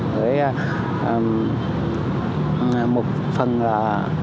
với một phần là